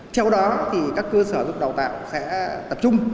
theo đó thì các cơ sở dục đào tạo sẽ tập trung